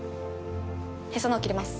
へその緒切ります。